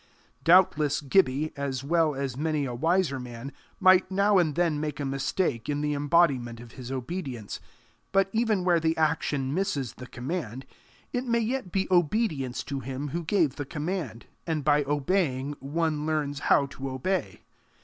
Doubtless Gibbie, as well as many a wiser man, might now and then make a mistake in the embodiment of his obedience, but even where the action misses the command, it may yet be obedience to him who gave the command, and by obeying, one learns how to obey.